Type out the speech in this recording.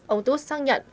ông stutz xác nhận